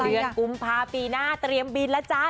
กุมภาพปีหน้าเตรียมบินแล้วจ้า